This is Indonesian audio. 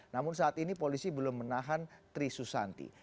namun saat ini polisi belum menahan tri susanti